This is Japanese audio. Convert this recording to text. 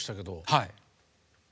はい。